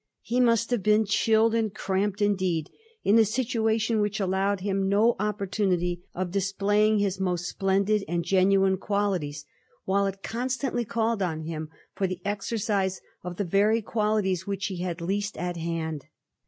He must have been chilled and cramped indeed in a situation which allowed him no opportunity of displaying his most Digiti zed by Google 1716 BOLINGBROKE AT ST. GERMAINS. 153 splendid and genuine qualities, while it constantly called on him for the exercise of the very qualities, which he had least at hand.